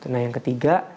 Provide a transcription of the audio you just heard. nah yang ketiga